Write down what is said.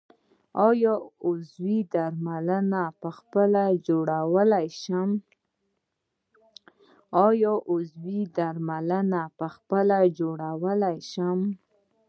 آیا عضوي درمل پخپله جوړولی شم؟